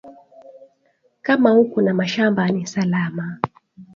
Kama uko na mashamba ni salama